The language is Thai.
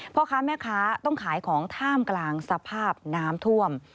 พ่อค้าแม่ค้าต้องขายของท่ามกลางสภาพน้ำท่วม